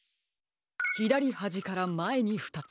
ひだりはじからまえにふたつ。